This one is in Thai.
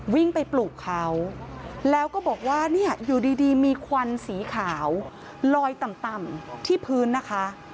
วิ่งไปปลูกเขาแล้วก็บอกว่าเนี่ยอยู่ดีมีควันสีขาวลอยต่ำที่พื้นนะคะ